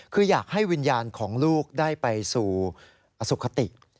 คืออยากให้วิญญาณของลูกได้ไปสู่สุขติ